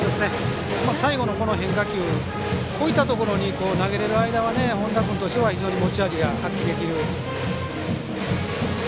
最後の変化球こういったところに投げれる間は本田君としては非常に持ち味が発揮できる。